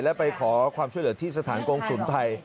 และไปขอความช่วยเหลือที่สถานกงศูนย์ไทย